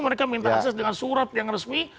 mereka minta akses dengan surat yang resmi